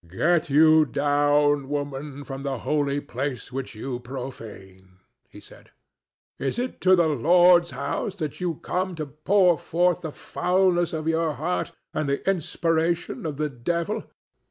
"Get you down, woman, from the holy place which you profane," he said, "Is it to the Lord's house that you come to pour forth the foulness of your heart and the inspiration of the devil?